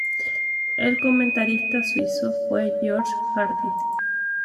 El comentarista suizo fue Georges Hardy.